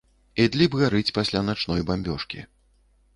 Ідліб гарыць пасля начной бамбёжкі.